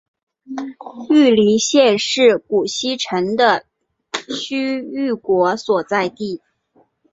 尉犁县是古西域的渠犁国所在地。